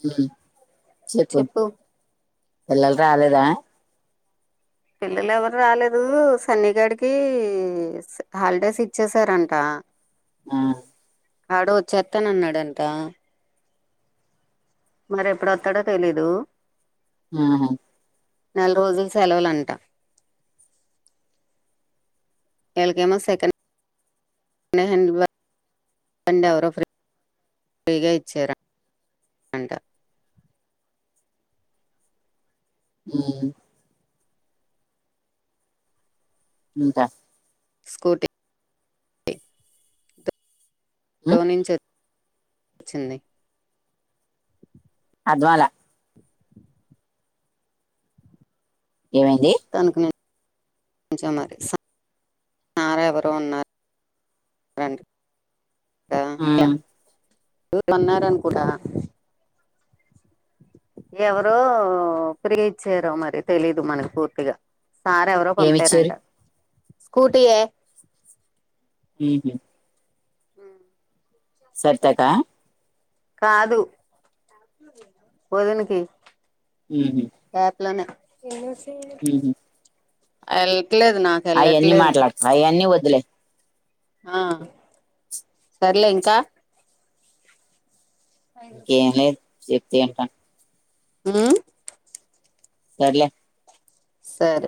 హుహ్ చెప్పు పిల్లల్ రాలేదా పిల్లలు ఎవరు రాలేదు సన్నగడికి హాలిడేస్ ఇచ్చసారంట ఆ ఆడోచేతనన్నాడంట. మరి ఎప్పుడొతడో తెలీదు ఆ నెల రోజులు సెలవులు అంట ఏకేమ్మ సెకడ్ స హ బ వౌ ఫ్రీగా ఇచ్చ హ ఇకా స్కూటీ ఉమ్ నించ వచ్చింది అద్వాల ఏమైందీ కొ మరి సారా ఎవరు ఉన్నారు ఆ పన్నారనుకుట ఎవరో ఫీ ఇచ్చారో మరి తెలీదు మనకు పూర్తిగా సార్రేవరో ఏమిచ్చారు పంపారంట స్కూటి హ సరతకా కాదు వదునకి హ ఇలానే అల్ అయ్యన్ని మాలాకత అయ్యన్ని అలే ఆ సర్లే ఇంకా ఐదు రకు చెప్తి అంట ఆ సర్లే సార్